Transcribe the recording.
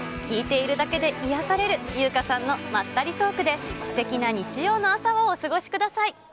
聞いているだけで癒やされる、優香さんのまったりトークで、すてきな日曜の朝をお過ごしください。